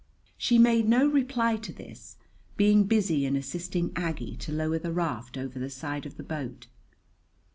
She made no reply to this, being busy in assisting Aggie to lower the raft over the side of the boat.